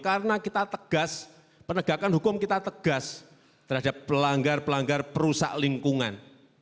karena kita tegas penegakan hukum kita tegas terhadap pelanggar pelanggar perusahaan lingkungan